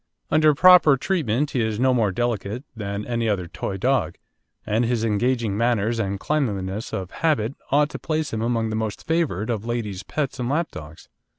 Under proper treatment he is no more delicate than any other toy dog, and his engaging manners and cleanliness of habit ought to place him among the most favoured of lady's pets and lapdogs.